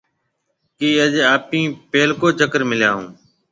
ڪِي آج آپيَ پيلڪو چڪر مليا هون؟